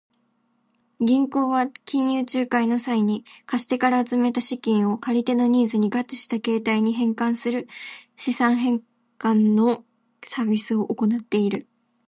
銀行は金融仲介の際に、貸し手から集めた資金を借り手のニーズに合致した形態に変換する資産変換のサービスを行っている。